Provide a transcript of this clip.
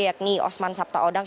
yakni osman sabta odang